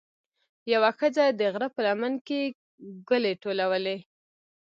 یوه ښځه د غره په لمن کې ګلې ټولولې.